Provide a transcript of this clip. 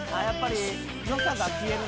良さが消える。